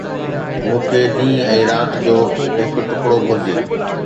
مون کي ڏينهن ۽ رات جو هڪ ٽڪرو گهرجي